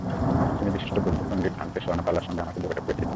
তিনি বিশিষ্ট বৌদ্ধ পণ্ডিত ভান্তে শরণপালার সঙ্গে আমাকে যোগাযোগ করিয়ে দিয়েছিলেন।